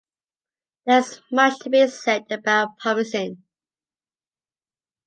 There is much to be said about promising.